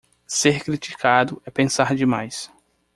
Ser criticado é pensar demais